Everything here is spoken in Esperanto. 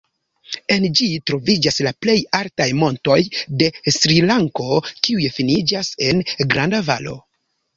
En ĝi troviĝas la plej altaj montoj de Srilanko kiuj finiĝas en granda valo.